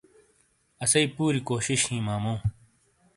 اسی پوری کوشش ہیں ماموں